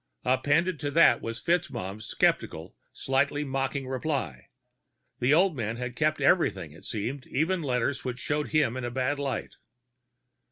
Appended to that was FitzMaugham's skeptical, slightly mocking reply; the old man had kept everything, it seemed, even letters which showed him in a bad light.